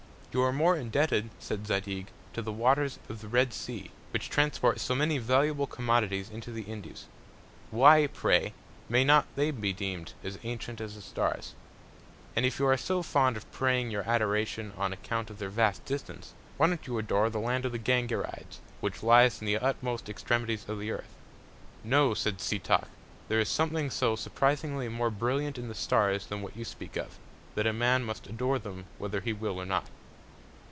You are more indebted, said Zadig, to the Waters of the Red Sea, which transport so many valuable Commodities into the Indies. Why, pray, may not they be deem'd as antient as the Stars? And if you are so fond of paying your Adoration on Account of their vast Distance; why don't you adore the Land of the Gangarides, which lies in the utmost Extremities of the Earth. No, said Setoc, there is something so surprisingly more brilliant in the Stars than what you speak of; that a Man must adore them whether he will or not.